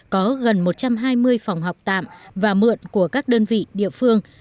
có gần một trăm hai mươi phòng học tạm và mượn của các đơn vị địa phương